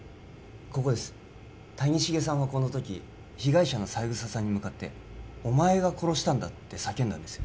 ここです谷繁さんはこのとき被害者の三枝さんに向かって「お前が殺したんだ」って叫んだんですよ